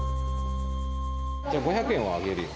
じゃあ５００円はあげるよ。